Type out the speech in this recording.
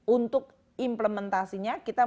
untuk implementasinya kita